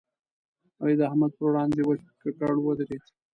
علي د احمد پر وړاندې وچ ککړ ودرېد.